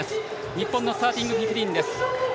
日本のスターティングフィフティーンです。